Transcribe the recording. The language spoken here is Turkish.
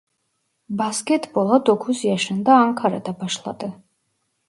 Basketbola dokuz yaşında Ankara'da başladı.